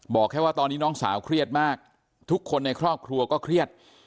บอกแค่ว่าตอนนี้น้องสาวเครียดมากทุกคนในครอบครัวก็เครียด